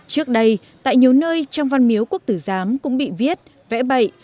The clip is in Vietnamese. trước đây tại nhiều nơi trong văn miếu quốc tử giám cũng bị viết vẽ bậy